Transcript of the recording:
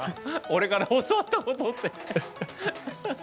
俺から教わったことって。